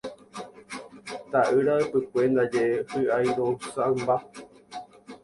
Ta'ýra ypykue ndaje hy'airo'ysãmba.